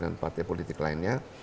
dan partai politik lainnya